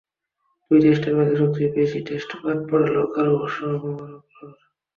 দুই টেস্টের মাঝে সবচেয়ে বেশি টেস্টে বাদ পড়া লঙ্কান অবশ্য মুবারক নন।